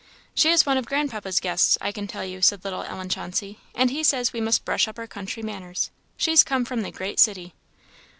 "She is one of grandpapa's guests, I can tell you," said little Ellen Chauncey; "and he says we must brush up our country manners she's come from the great city."